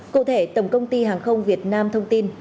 cụ thể tổng công ty hàng không việt nam thông tin